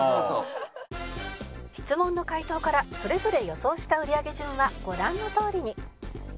質問の回答からそれぞれ予想した売り上げ順はご覧のとおりに